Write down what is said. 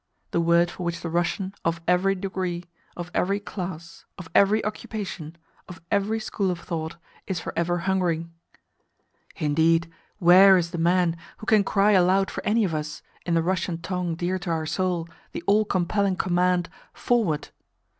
the word for which the Russian of every degree, of every class, of every occupation, of every school of thought, is for ever hungering. Indeed, WHERE is the man who can cry aloud for any of us, in the Russian tongue dear to our soul, the all compelling command "Forward!"?